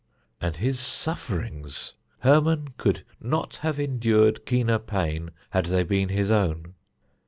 And his sufferings! Hermon could not have endured keener pain had they been his own.